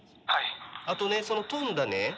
あとねその飛んだね